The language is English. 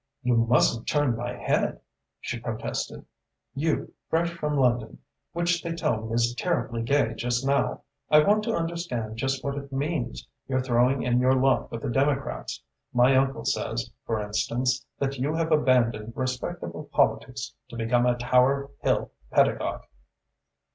"You mustn't turn my head!" she protested. "You, fresh from London, which they tell me is terribly gay just now! I want to understand just what it means, your throwing in your lot with the Democrats. My uncle says, for instance, that you have abandoned respectable politics to become a Tower Hill pedagogue."